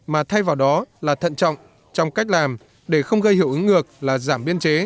mà thay vào đó là thận trọng trong cách làm để không gây hiệu ứng ngược là giảm biên chế